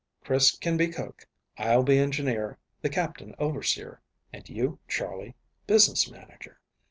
Chris can be cook, I'll be engineer, the Captain overseer, and you, Charley, business manager."